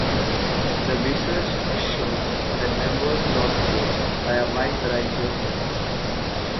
The research has shown that members lost weight by a wide variety of methods.